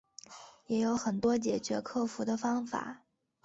也有很多解决克服的方法